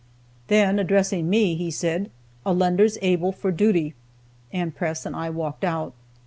Then addressing me, he said: "Allender's able for duty;" and Press and I walked out.